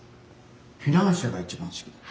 フィナンシェが一番好きなの。